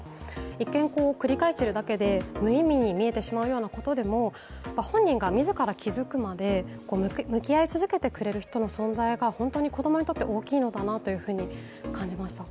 一見、繰り返しているだけで無意味に見えてしまうようなことでも、本人が自ら気づくまで向き合い続けてくれる人の存在が本当に子供にとって大きいのだなと感じました。